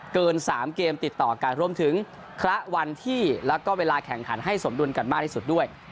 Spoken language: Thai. เกิน๓เกมติดต่อกันรวมถึงคละวันที่แล้วก็เวลาแข่งขันให้สมดุลกันมากที่สุดด้วย